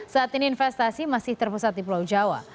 saat ini investasi masih terpusat di pulau jawa